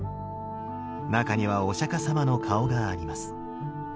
中にはお釈さまの顔があります。